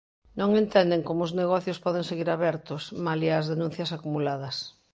Non entenden como os negocios poden seguir abertos, malia as denuncias acumuladas.